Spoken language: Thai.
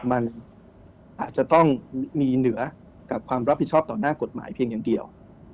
มันอาจจะต้องมีเหนือกับความรับผิดชอบต่อหน้ากฎหมายเพียงอย่างเดียว